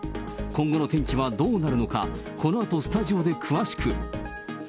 今後の天気はどうなるのか、このあとスタジオで詳しく。